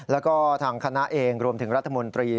แล้วก็ทางคณะเองรวมถึงรัฐมนตรี